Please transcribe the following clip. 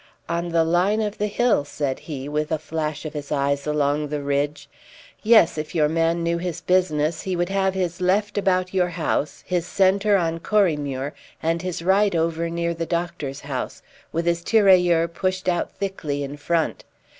"On the line of the hill?" said he, with a flash of his eyes along the ridge. "Yes, if your man knew his business he would have his left about your house, his centre on Corriemuir, and his right over near the doctor's house, with his tirailleurs pushed out thickly in front.